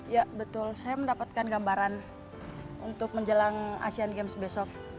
ya betul saya mendapatkan gambaran untuk menjelang asean games besok